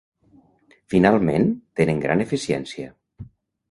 Finalment, tenen gran eficiència.